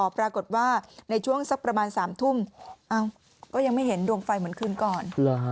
ปรากฏว่าในช่วงสักประมาณ๓ทุ่มก็ยังไม่เห็นดวงไฟเหมือนคืนก่อน